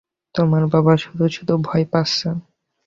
তোমার বাবা শুধু-শুধু ভয় পাচ্ছেন।